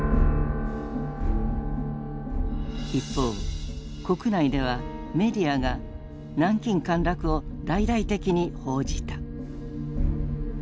一方国内ではメディアが南京陥落を大々的に報じた。